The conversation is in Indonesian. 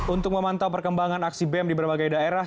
untuk memantau perkembangan aksi bem di berbagai daerah